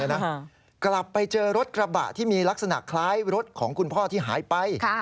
แล้วพอที่กลับไปเจอรถกระบะมีลักษณะคล้ายรถของคุณพ่อที่หายไป